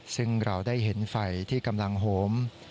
ซึ่งเราได้เห็นไฟที่กำลังโหม